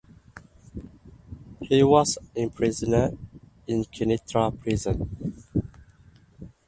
He was imprisoned in Kenitra prison.